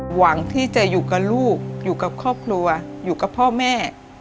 หวังที่จะอยู่กับลูกอยู่กับครอบครัวอยู่กับพ่อแม่